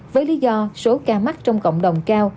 với lý do số ca mắc trong cộng đồng cao